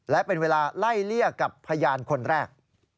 และเป็นเวลาไล่เลี่ยกับพยานคนแรก